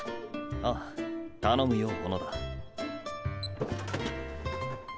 ああ頼むよ小野田。